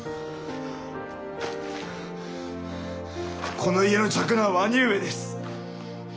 この家の嫡男は兄上です。